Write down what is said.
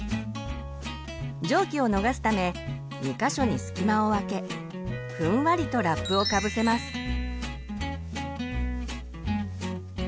蒸気を逃すため２か所に隙間をあけふんわりとラップをかぶせます。